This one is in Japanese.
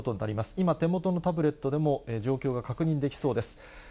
今、手元のタブレットでも状況が確認できそうです。